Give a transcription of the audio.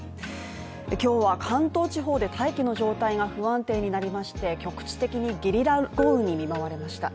今日は関東地方で大気の状態が不安定になりまして局地的にゲリラ豪雨に見舞われました。